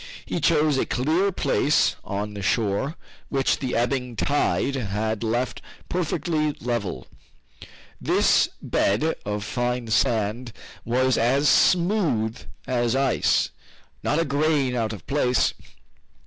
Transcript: He chose a clear place on the shore, which the ebbing tide had left perfectly level. This bed of fine sand was as smooth as ice, not a grain out of place.